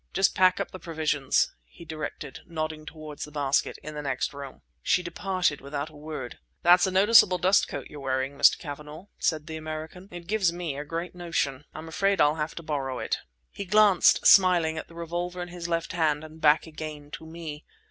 "Just pack up the provisions," he directed, nodding toward the basket—"in the next room." She departed without a word. "That's a noticeable dust coat you're wearing, Mr. Cavanagh," said the American; "it gives me a great notion. I'm afraid I'll have to borrow it." He glanced, smiling, at the revolver in his left hand and back again to me.